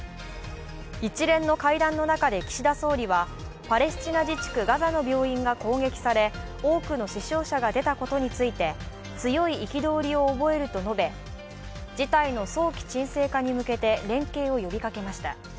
一連の会談の中で岸田総理はパレスチナ自治区ガザの病院が攻撃され多くの死傷者が出たことについて強い憤りを覚えると述べ、事態の早期沈静化に向けて連携を呼びかけました。